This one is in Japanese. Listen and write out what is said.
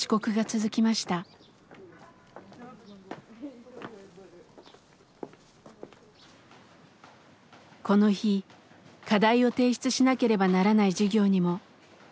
この日課題を提出しなければならない授業にも姿が見えませんでした。